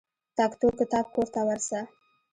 تکتو کتاب کور ته ورسه.